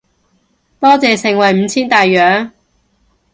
多謝盛惠五千大洋